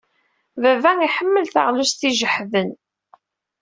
Baba iḥemmel taɣlust ijehden.